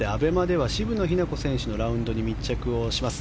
ＡＢＥＭＡでは渋野日向子選手のラウンドに密着をします。